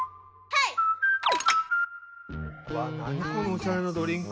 うわ何このオシャレなドリンク。